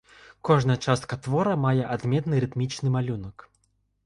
Кожная частка твора мае адметны рытмічны малюнак.